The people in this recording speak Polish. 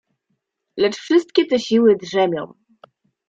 "Lecz wszystkie te siły „drzemią“."